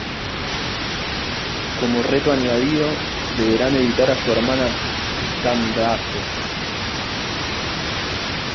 Como reto añadido, deberán evitar a su hermana Candace.